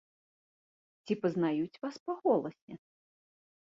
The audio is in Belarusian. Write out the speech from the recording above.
Ці пазнаюць вас па голасе?